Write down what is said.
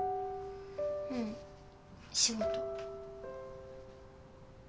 うん仕事。